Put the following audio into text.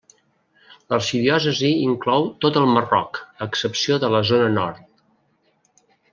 L'arxidiòcesi inclou tot el Marroc, a excepció de la zona nord.